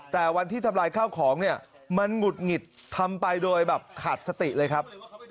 แต่วันที่ทำลายข้าวของเนี่ยมันหงุดหงิดทำไปโดยแบบขาดสติเลยครับ